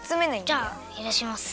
じゃあへらします。